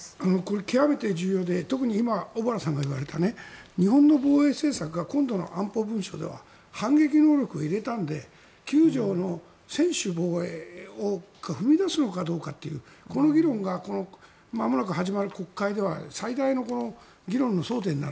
極めて重要で特に今、小原さんが言われた日本の防衛政策が今度の文書では反撃能力を入れたので９条の専守防衛を踏み出すのかというこの議論がまもなく始まる国会では最大の議論の争点になる。